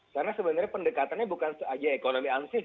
karena sebenarnya pendekatannya bukan saja ekonomi ansif